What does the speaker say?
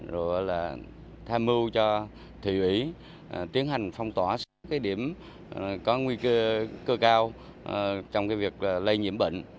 rồi là tham mưu cho thủy ủy tiến hành phong tỏa số cái điểm có nguy cơ cao trong cái việc lây nhiễm bệnh